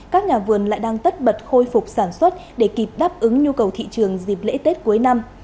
các nhà vườn lại đang tất bật khôi phục sản xuất để kịp đáp ứng nhu cầu thị trường dịp lễ tết cuối năm